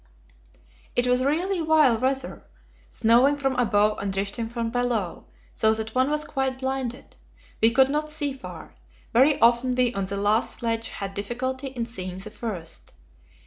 It was really vile weather, snowing from above and drifting from below, so that one was quite blinded. We could not see far; very often we on the last sledge had difficulty in seeing the first.